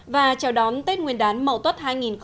và chào đón tết nguyên đán mậu tốt hai nghìn một mươi tám